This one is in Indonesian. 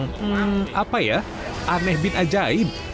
memang apa ya aneh bin ajaib